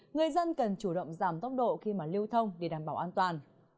người dân cần chủ động giảm tốc độ khi mà lưu thông để đảm bảo an toàn